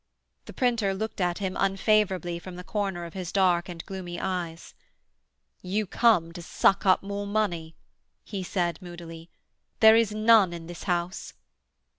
The printer looked at him unfavourably from the corner of his dark and gloomy eyes. 'You come to suck up more money,' he said moodily. 'There is none in this house.'